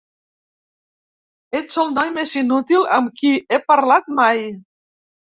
Ets el noi més inútil amb qui he parlat mai.